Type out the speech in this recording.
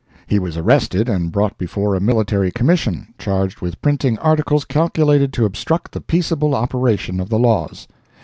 He was arrested and brought before a Military Commission, charged with printing articles calculated to obstruct the peaceable operation of the laws.